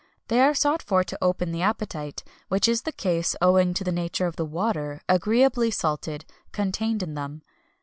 They are sought for to open the appetite, which is the case, owing to the nature of the water, agreeably salted, contained in them.